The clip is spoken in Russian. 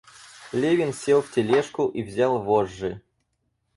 Левин сел в тележку и взял вожжи.